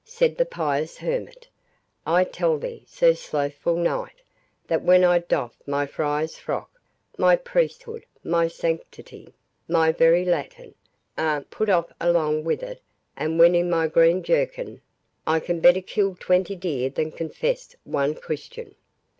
said the pious hermit; "I tell thee, Sir Slothful Knight, that when I doff my friar's frock, my priesthood, my sanctity, my very Latin, are put off along with it; and when in my green jerkin, I can better kill twenty deer than confess one Christian."